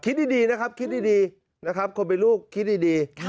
คิดดีนะครับคนเป็นลูกคิดดี